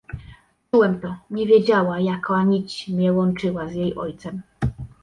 "Czułem to: nie wiedziała, jaka nić mię łączyła z jej ojcem."